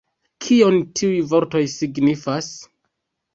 Kion tiuj vortoj signifas?